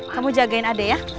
kamu jagain adik ya